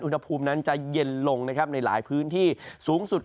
อุทธภูมินั้นจะเย็นลงในหลายพื้นที่สูงสุด